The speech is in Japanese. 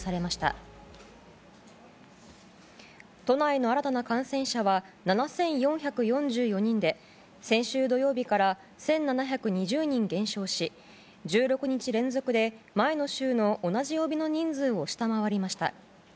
都内の新たな感染者は７４４４人で先週土曜日から１７２０人減少し１６日連続で前の週の同じ曜日の人数を下回りました。